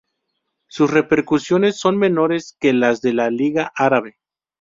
Sus repercusiones son menores que las de la Liga Árabe.